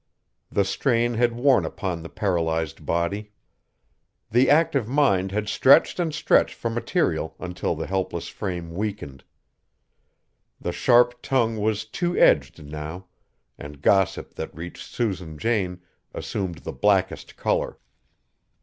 The strain had worn upon the paralyzed body. The active mind had stretched and stretched for material until the helpless frame weakened. The sharp tongue was two edged now, and gossip that reached Susan Jane assumed the blackest color.